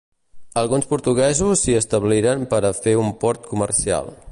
Alguns portuguesos s'hi establiren per a fer un port comercial.